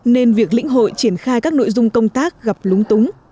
nên việc lĩnh hội triển khai các nội dung công tác gặp lúng túng